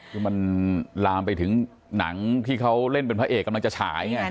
คือมันลามไปถึงหนังที่เขาเล่นเป็นพระเอกกำลังจะฉายไง